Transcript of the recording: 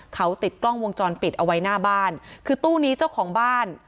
เขาติดกล้องวงจรปิดเอาไว้หน้าบ้านคือตู้นี้เจ้าของบ้าน